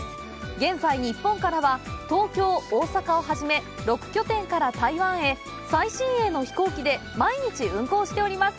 現在、日本からは、東京、大阪をはじめ、６拠点から台湾へ、最新鋭の飛行機で毎日運航しております。